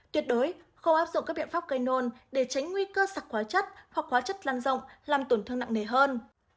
tuyệt đối không áp dụng các biện pháp cây nôn để tránh nguy cơ sạc hóa chất hoặc hóa chất lan rộng làm tổn thương nặng nề hơn